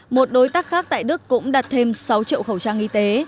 một đối tác khác tại đức cũng đặt thêm sáu triệu khẩu trang y tế